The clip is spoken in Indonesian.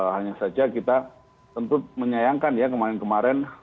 hanya saja kita tentu menyayangkan ya kemarin kemarin